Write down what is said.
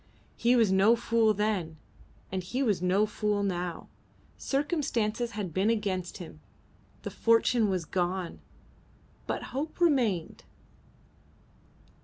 He was no fool then, and he was no fool now. Circumstances had been against him; the fortune was gone, but hope remained.